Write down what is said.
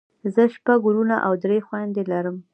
زه شپږ وروڼه او درې خويندې لرم.